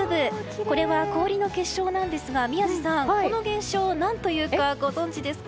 これは氷の結晶なんですが宮司さん、この現象を何というかご存じですか？